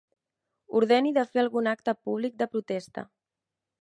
Ordeni de fer algun acte públic de protesta.